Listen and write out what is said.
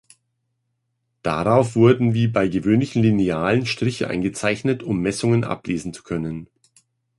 Darauf wurden, wie bei gewöhnlichen Linealen, Striche eingezeichnet um Messungen ablesen zu können.